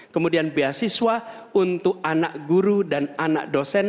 kemudian beasiswa untuk anak guru dan anak dosen